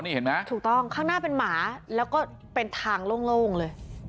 นี่เห็นไหมถูกต้องข้างหน้าเป็นหมาแล้วก็เป็นทางโล่งเลย